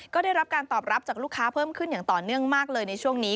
ก็ได้รับการตอบรับจากลูกค้าเพิ่มขึ้นอย่างต่อเนื่องมากเลยในช่วงนี้